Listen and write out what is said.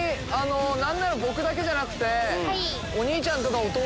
何なら僕だけじゃなくて。